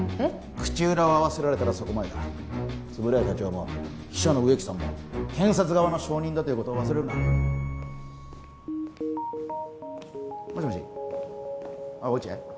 口裏を合わせられたらそこまでだ円谷社長も秘書の植木さんも検察側の証人だということを忘れるなもしもし落合？